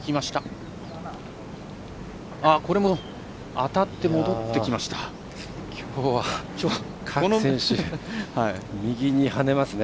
当たって戻ってきました。